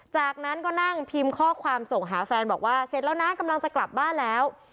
จากนั้นก็นั่งพิมพ์ข้อความส่งหาแฟนบอกว่าเสร็จแล้วนะกำลังจะกลับบ้านแล้ว